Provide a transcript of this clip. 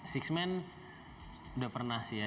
six man udah pernah sih ya